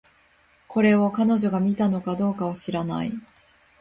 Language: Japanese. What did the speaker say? これを、彼女が見たのかどうかは知らない